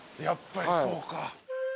やっぱりそうか。